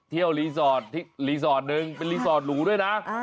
รีสอร์ทรีสอร์ทหนึ่งเป็นรีสอร์ทหรูด้วยนะ